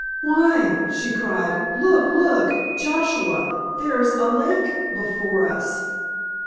"Why," she cried, "look, look, Joshua, there is a lake before us!"